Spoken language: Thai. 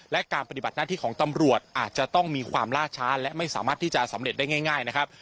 และการปฏิบัติหน้าที่ของตำรวจอาจจะต้องมีความล่าช้าและไม่สามารถที่จะสำเร็จได้ง่ายนะครับ